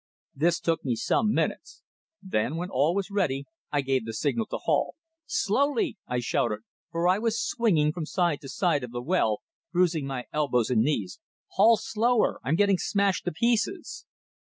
This took me some minutes. Then, when all was ready, I gave the signal to haul. "Slowly!" I shouted, for I was swinging from side to side of the well, bruising my elbows and knees. "Haul slower! I'm getting smashed to pieces!"